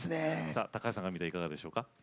さあ橋さんから見ていかがでしょうか？